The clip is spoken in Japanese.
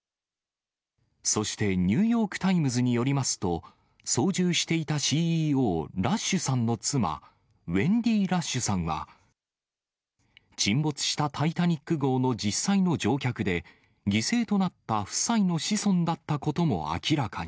そしてニューヨーク・タイムズによりますと、操縦していたＣＥＯ、ラッシュさんの妻、ウェンディ・ラッシュさんは、沈没したタイタニック号の実際の乗客で、犠牲となった夫妻の子孫だったことも明らかに。